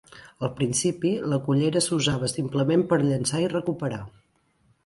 Al principi, la cullera s'usava simplement per llançar i recuperar.